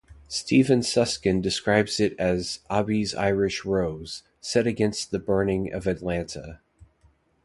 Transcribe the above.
Steven Suskin describes it as "Abie's Irish Rose" set against the burning of Atlanta.